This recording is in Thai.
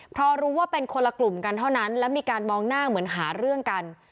เพราะรู้ว่าเป็นคนละกลุ่มกันเท่านั้นและมีการมองหน้าเหมือนหาเรื่องกัน